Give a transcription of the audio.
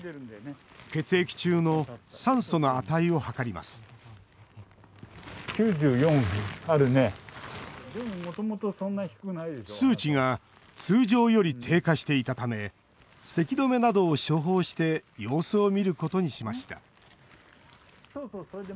血液中の酸素の値を測ります数値が通常より低下していたためせき止めなどを処方して様子を見ることにしました。